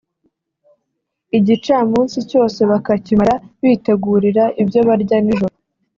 igicamunsi cyose bakakimara bitegurira ibyo barya nijoro